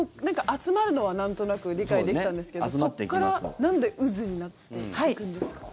集まるのはなんとなく理解できたんですけどそっからなんで渦になっていくんですか？